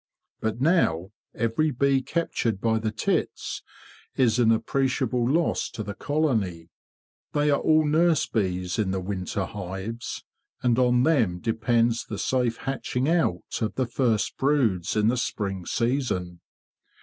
But now every bee captured by the tits is an appreciable loss to the colony. They are all nurse bees in the winter hives, and on them depends the safe hatching out of the first broods in the spring season.